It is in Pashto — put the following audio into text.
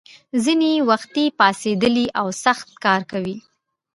ځینې یې وختي پاڅېدلي او سخت کار کوي.